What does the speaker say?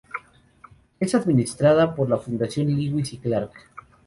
Es administrada por la fundación Lewis y Clark.